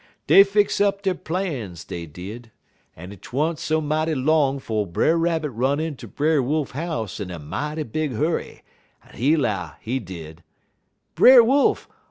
"Dey fix up der plans, dey did, en 't wa'n't so mighty long 'fo' Brer Rabbit run inter Brer Wolf house in a mighty big hurry, en he 'low, he did: "'Brer Wolf!